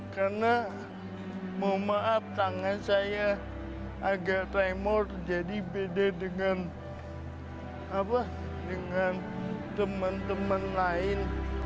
karena mohon maaf tangan saya agak remor jadi beda dengan teman teman lain